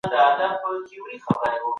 چوکاټي فکر د انسان طبیعي ځانګړنه ده.